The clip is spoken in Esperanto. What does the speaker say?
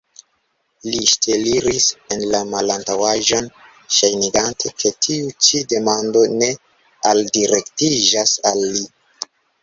Li ŝteliris en la malantaŭaĵon, ŝajnigante, ke tiu ĉi demando ne aldirektiĝas al li.